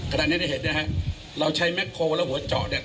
ขณะนี้ได้เห็นนะฮะเราใช้แม็กโคลแล้วหัวเจาะเนี่ย